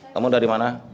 kamu dari mana